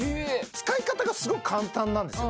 使い方がすごく簡単なんですよ